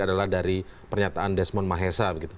adalah dari pernyataan desmond mahesa